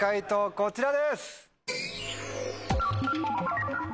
こちらです。